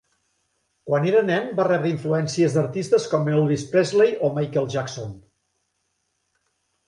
Quan era nen va rebre influències d'artistes com Elvis Presley o Michael Jackson.